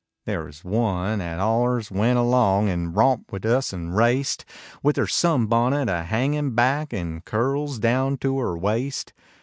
There was one at allers went along An romped with us n raced, With her sun bonnet a hangin back X curls down to er waist.